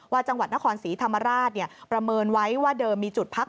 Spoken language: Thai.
จังหวัดนครศรีธรรมราชประเมินไว้ว่าเดิมมีจุดพัก